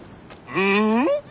うん？